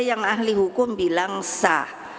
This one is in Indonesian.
yang ahli hukum bilang sah